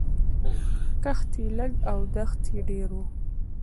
کښت یې لږ او دښت یې ډېر و